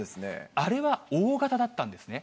あれは大型だったんですね。